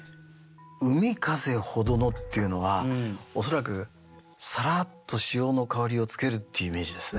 「海風ほどの」っていうのは恐らくさらっと塩の香りをつけるっていうイメージですね。